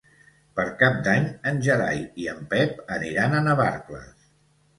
Per Cap d'Any en Gerai i en Pep aniran a Navarcles.